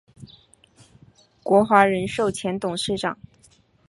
国华人寿前董事长。